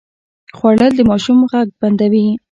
خوړل د ماشوم غږ بندوي